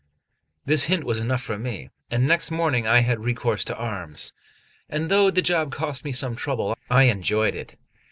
This hint was enough for me, and next morning I had recourse to arms; and though the job cost me some trouble, I enjoyed it.